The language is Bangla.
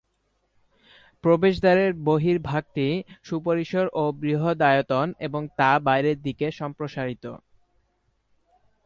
প্রবেশদ্বারের বহির্ভাগটি সুপরিসর ও বৃহদায়তন এবং তা বাইরের দিকে সম্প্রসারিত।